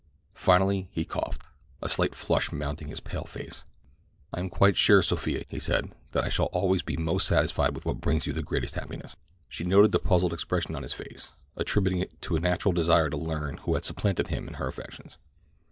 Finally he coughed—a slight flush mounting his pale face. "I am quite sure, Sophia," he said, "that I shall always be most satisfied with what brings you the greatest happiness." She noted the puzzled expression on his face, attributing it to a natural desire to learn who had supplanted him in her affections.